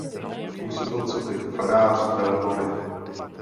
Působil coby farář ve Lvově.